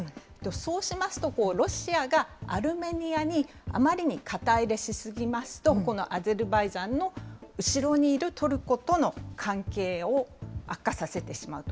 そうしますと、ロシアがアルメニアにあまりに肩入れし過ぎますと、このアゼルバイジャンの後ろにいるトルコとの関係を悪化させてしまうと。